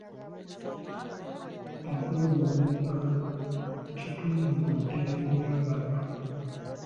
okwegugunga kitundu ku ddembe ly'abantu.